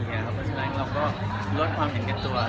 เพราะฉะนั้นเราก็ลดความเห็นแก่ตัว